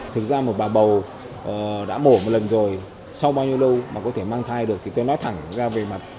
thực ra một bà bầu đã mổ một lần rồi sau bao nhiêu lâu mà có thể mang thai được thì tôi nói thẳng ra về mặt